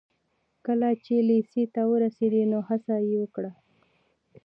کله چې لېسې ته ورسېد نو هڅه يې وکړه.